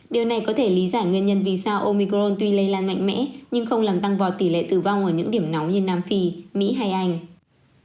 điều này có thể lý giải nguyên nhân vì sao omicron tuy lây lan mạnh mẽ nhưng không làm tăng vọt tỷ lệ tử vong ở những điểm nóng như nam phi mỹ hay anh